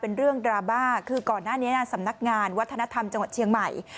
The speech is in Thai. เป็นเรื่องดราม่าคือก่อนหน้านี้สำนักงานวัฒนธรรมจังหวัดเชียงใหม่